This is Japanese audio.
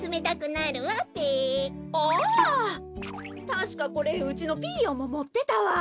たしかこれうちのピーヨンももってたわ。